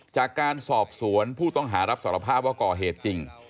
จากการสอบสวนผู้ต้องหารับสารภาพว่าก่อเหตุจริง